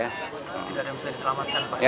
tidak ada yang bisa diselamatkan pak ya